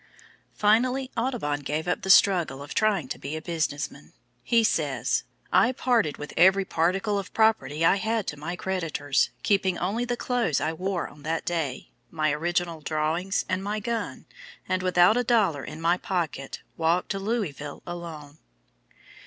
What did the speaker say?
III. Finally, Audubon gave up the struggle of trying to be a business man. He says: "I parted with every particle of property I had to my creditors, keeping only the clothes I wore on that day, my original drawings, and my gun, and without a dollar in my pocket, walked to Louisville alone."